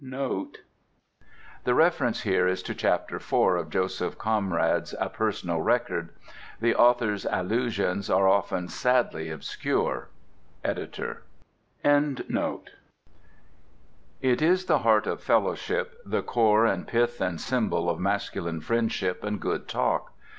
[E] [E] The reference here is to Chapter IV of Joseph Conrad's "A Personal Record." The author's allusions are often sadly obscure.—EDITOR. It is the heart of fellowship, the core and pith and symbol of masculine friendship and good talk.